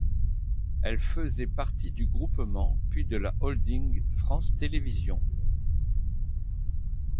Elle faisait partie du groupement puis de la holding France Télévisions.